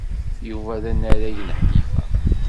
Yuba d anarag n Ḥnifa.